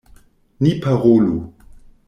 Ni parolu.